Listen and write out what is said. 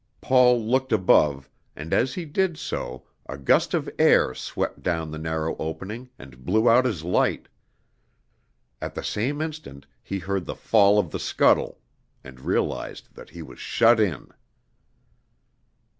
Paul looked above, and as he did so a gust of air swept down the narrow opening and blew out his light; at the same instant he heard the fall of the scuttle and realized that he was shut in.